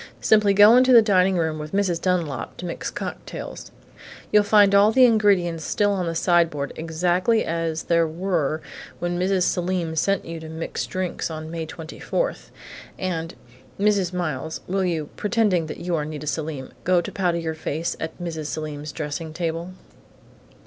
Simply go into the dining room, with Mrs. Dunlap, to mix cocktails. You'll find all the ingredients still on the sideboard, exactly as there were when Mrs. Selim sent you to mix drinks on May 24.... And Mrs. Miles, will you, pretending that you are Nita Selim, go to powder your face at Mrs. Selim's dressing table?"